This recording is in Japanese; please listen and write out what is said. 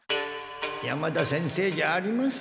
山田先生じゃありません。